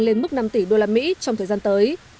lên mức năm tỷ usd trong thời gian tới